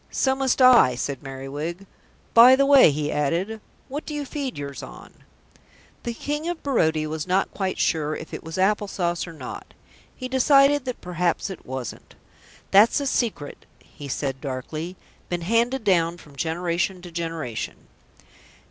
"So must I," said Merriwig. "By the way," he added, "what do you feed yours on?" The King of Barodia was not quite sure if it was apple sauce or not. He decided that perhaps it wasn't. "That's a secret," he said darkly. "Been handed down from generation to generation."